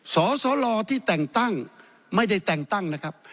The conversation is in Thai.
สสลที่แต่งตั้งไม่ได้แต่งตั้งนะครับ